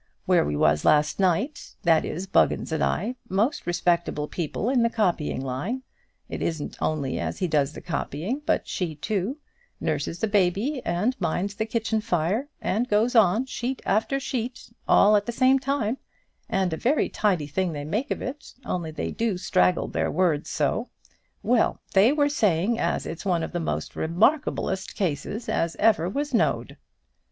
Where we was last night that is, Buggins and I most respectable people in the copying line it isn't only he as does the copying, but she too; nurses the baby, and minds the kitchen fire, and goes on, sheet after sheet, all at the same time; and a very tidy thing they make of it, only they do straggle their words so; well, they were saying as it's one of the most remarkablest cases as ever was know'd."